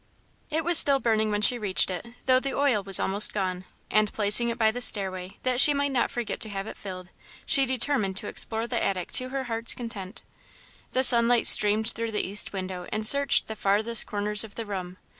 It was still burning when she reached it, though the oil was almost gone, and, placing it by the stairway, that she might not forget to have it filled, she determined to explore the attic to her heart's content. The sunlight streamed through the east window and searched the farthest corners of the room.